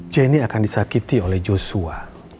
jenny akan disakiti oleh joshua